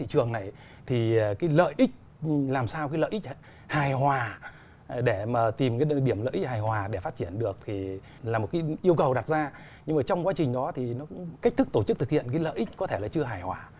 cách thức tổ chức thực hiện cái lợi ích có thể là chưa hài hỏa